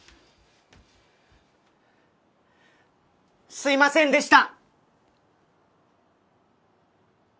すみませんでした！